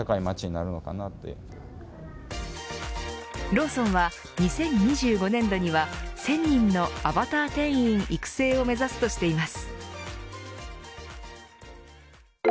ローソンは２０２５年度には１０００人のアバター店員育成を目指すとしています。